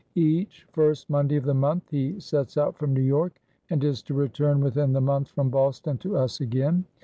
Each first Monday of the month he sets out from New York, and is to return within the month from Boston to us againe.